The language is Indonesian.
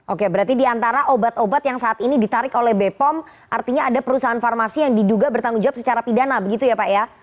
oke berarti diantara obat obat yang saat ini ditarik oleh bepom artinya ada perusahaan farmasi yang diduga bertanggung jawab secara pidana begitu ya pak ya